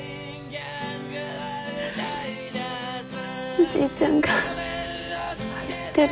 おじいちゃんが笑ってる。